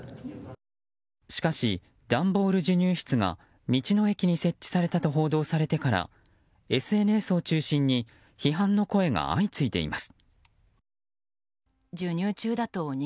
しかし、段ボール授乳室が道の駅に設置されたと報道されてからＳＮＳを中心に批判の声が相次いでいます。